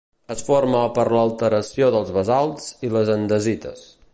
Es forma per l'alteració dels basalts i les andesites.